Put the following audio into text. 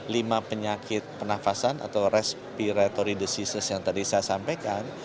lima penyakit pernafasan atau respiratory diseases yang tadi saya sampaikan